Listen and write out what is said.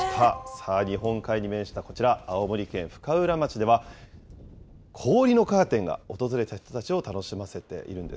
さあ、日本海に面したこちら、青森県深浦町では、氷のカーテンが訪れた人たちを楽しませているんです。